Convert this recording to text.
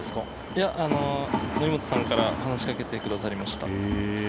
いや、則本さんから話してかけてくださいました。